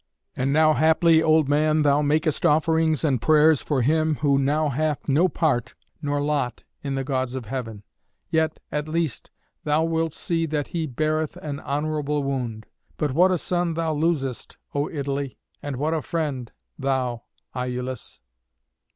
And now haply, old man, thou makest offerings and prayers for him who now hath no part nor lot in the Gods of heaven. Yet, at least, thou wilt see that he beareth an honourable wound. But what a son thou losest, O Italy! and what a friend, thou, Iülus!"